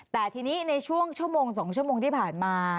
แต่ทีนี้ในช่วงชั่วโมง๒ชั่วโมงที่ผ่านมา